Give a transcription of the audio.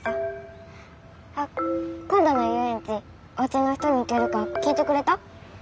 あっ今度の遊園地おうちの人に行けるか聞いてくれた？